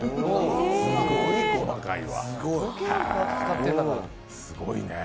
すごい細かいわ。